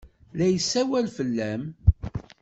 La yessawal fell-am.